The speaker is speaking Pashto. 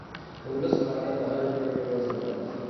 د ولس ملاتړ د هرې پرېکړې وزن ټاکي